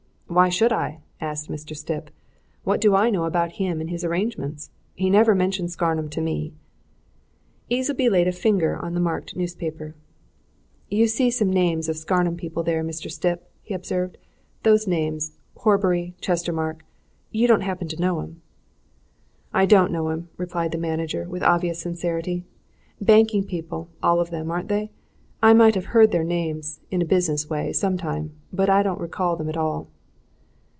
"Why should I?" asked Mr. Stipp. "What do I know about him and his arrangements? He never mentioned Scarnham to me." Easleby laid a finger on the marked newspaper. "You see some names of Scarnham people there, Mr. Stipp?" he observed. "Those names Horbury Chestermarke. You don't happen to know 'em?" "I don't know them," replied the manager, with obvious sincerity. "Banking people, all of them, aren't they? I might have heard their names, in a business way, some time but I don't recall them at all."